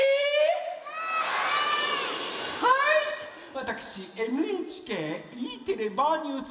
わたくしＮＨＫＥテレ「ばあっ！ニュース」